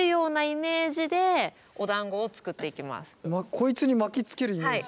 こいつに巻きつけるイメージ？